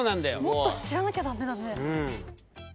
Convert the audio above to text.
もっと知らなきゃ駄目だね。